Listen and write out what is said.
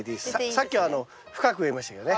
さっきは深く植えましたけどね。